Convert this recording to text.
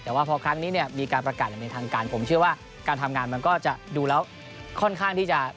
แต่ว่าพอครั้งนี้เนี่ยมีการประกาศอย่างเป็นทางการผมเชื่อว่าการทำงานมันก็จะดูแล้วค่อนข้างที่จะ